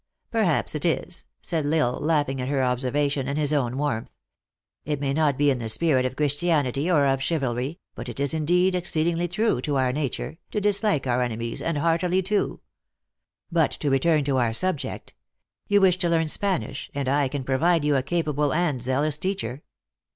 " Perhaps it is," said L Isle, laughing at her obser vation and his own warmth. " Tt may not be in the spirit of Christianity or of chivalry, but it is exceed ingly true to our nature, to dislike our enemies, and heartily, too. But to return to our subject. You wish to learn Spanish, and I can provide you a capa ble and zealous teacher."